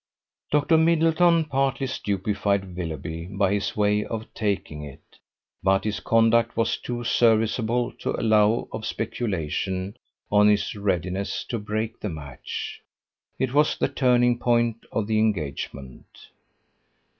Dr. Middleton partly stupefied Willoughby by his way of taking it, but his conduct was too serviceable to allow of speculation on his readiness to break the match. It was the turning point of the engagement.